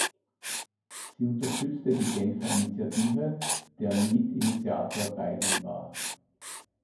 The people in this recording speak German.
Sie unterstützte die Genfer Initiative, deren Mitinitiator Beilin war.